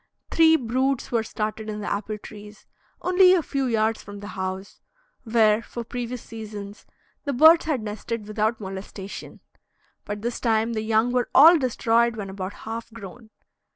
Three broods were started in the apple trees, only a few yards from the house, where, for previous seasons, the birds had nested without molestation; but this time the young were all destroyed when about half grown.